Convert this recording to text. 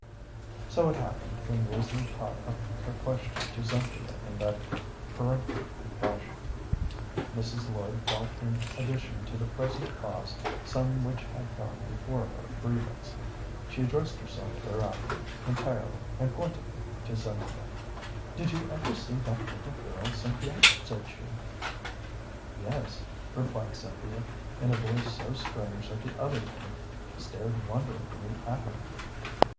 So it happened when Risley caught up her question to Cynthia in that peremptory fashion, Mrs. Lloyd felt in addition to the present cause some which had gone before for her grievance. She addressed herself thereafter entirely and pointedly to Cynthia. "Did you ever see that little girl, Cynthia?" said she. "Yes," replied Cynthia, in a voice so strange that the other woman stared wonderingly at her.